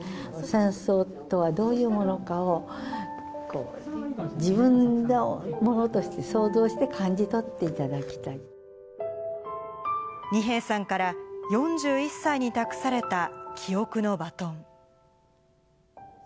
戦争とはどういうものかを自分のものとして、想像して感じ取って二瓶さんから、４１歳に託された記憶のバトン。